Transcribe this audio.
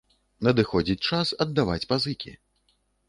Надыходзіць час аддаваць пазыкі.